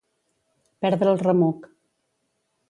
Perdre el remuc.